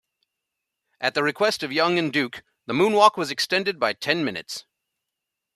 At the request of Young and Duke, the moonwalk was extended by ten minutes.